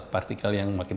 jadi itu adalah yang terakhir